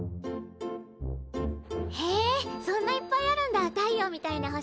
へえそんないっぱいあるんだ太陽みたいな星。